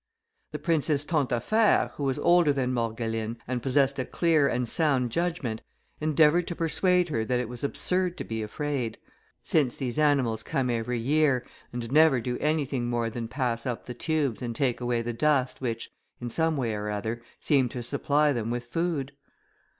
The princess Tantaffaire, who was older than Morgeline, and possessed a clear and sound judgment, endeavoured to persuade her that it was absurd to be afraid; since these animals come every year, and never do anything more than pass up the tubes, and take away the dust which, in some way or other, seemed to supply them with food.